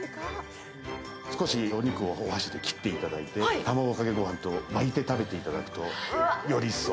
少しお肉をお箸で切っていただいて、卵かけご飯を巻いていただくとより一層。